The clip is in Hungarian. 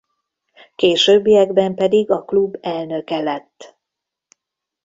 Későbbiekben pedig a klub elnöke lett.